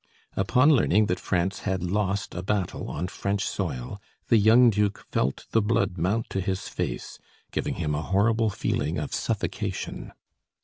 Upon learning that France had lost a battle on French soil, the young duke felt the blood mount to his face, giving him a horrible feeling of suffocation.